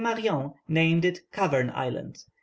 Marion named it Cavern Island.